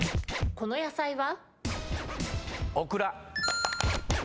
この野菜は？